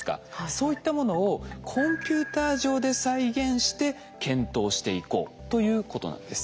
そういったものをコンピューター上で再現して検討していこうということなんです。